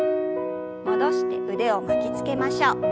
戻して腕を巻きつけましょう。